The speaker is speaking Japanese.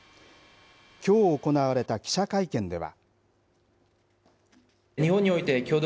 きょう行われた記者会見では。